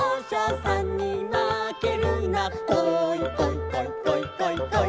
「こいこいこいこいこいこい」